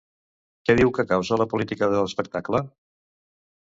Què diu que causa la política de l'espectacle?